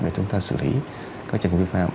để chúng ta xử lý các trường hợp vi phạm